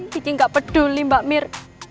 kiki gak peduli mbak mir